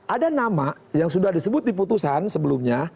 ada nama yang sudah disebut di putusan sebelumnya